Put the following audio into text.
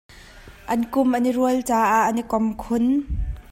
An kum an i rual caah an i kom khun.